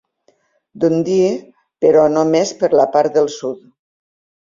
Dundee, però només per la part del sud.